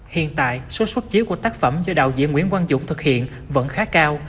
hiện tại số xuất chiếu của tác phẩm do đạo diễn nguyễn quang dũng thực hiện vẫn khá cao